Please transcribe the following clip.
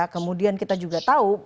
kemudian kita juga tahu